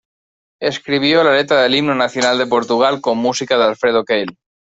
Escribió la letra del Himno Nacional de Portugal, con música de Alfredo Keil.